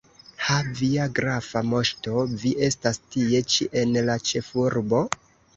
Ha, via grafa moŝto, vi estas tie ĉi, en la ĉefurbo?